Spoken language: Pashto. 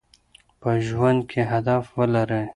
په ژوند کې هدف ولرئ.